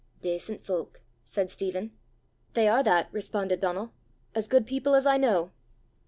"Dacent fowk!" said Stephen. "They are that!" responded Donal, " as good people as I know!"